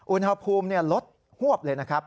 อุณหภูมิลดหวบเลยนะครับ